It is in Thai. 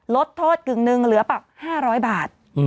ลดโทษกึ่งหนึ่งเหลือปรับ๕๐๐บาท